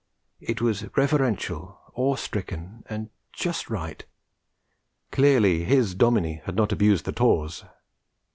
It was reverential, awe stricken and just right. Clearly his Dominie had not abused the taws.